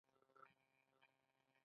په کلیو کې د اشر په واسطه کارونه کیږي.